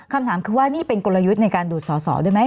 คำถามคือว่านี่เป็นกลยุทธ์ในการดูดสอสอด้วยไหม